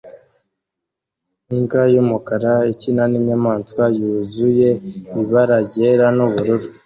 Imbwa yumukara ikina ninyamaswa yuzuye ibara ryera nubururu